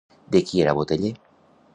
De qui era boteller?